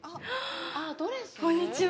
こんにちは。